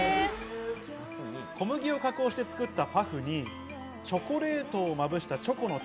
小麦を加工して作ったパフにチョコレートをまぶしたチョコの種。